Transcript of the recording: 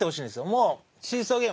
もうシーソーゲーム。